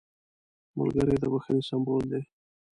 ملګری د بښنې سمبول دی